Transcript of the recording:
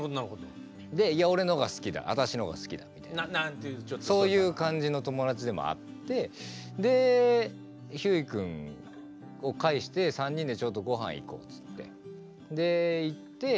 でいや俺のが好きだあたしのが好きだみたいなそういう感じの友達でもあってでひゅーい君を介して３人でちょっとご飯行こうつってで行って